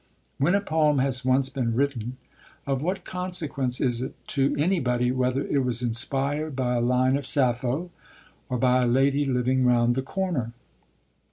When a poem has once been written, of what consequence is it to anybody whether it was inspired by a line of Sappho or by a lady living round the corner?